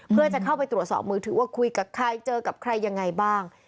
เพื่อจะเข้าไปตรวจสอบมือถือว่าคุยกับใครเจอกับใครยังไงบ้าง